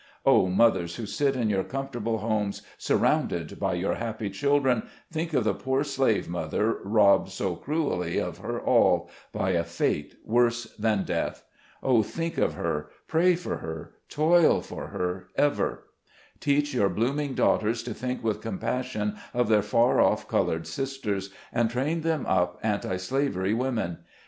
Oh, mothers who sit in your com fortable homes, surrounded by your happy children, think of the poor slave mother, robbed so cruelly of her all, by a fate worse than death ! Oh, think of SLAVES ON THE AUCTION BLOCK. 187 her, pray for her, toil for her, ever ; teach your blooming daughters to think with compassion of their far off colored sisters, and train them up anti slavery women